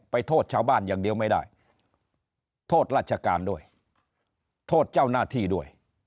โทษชาวบ้านอย่างเดียวไม่ได้โทษราชการด้วยโทษเจ้าหน้าที่ด้วย